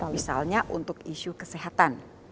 misalnya untuk isu kesehatan